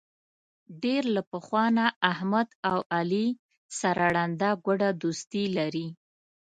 ډېر له پخوا نه احمد او علي سره ړنده ګوډه دوستي لري.